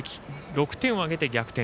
６点を挙げて逆転。